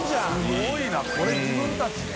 すごいなこれ自分たちで？